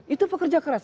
itu pekerja keras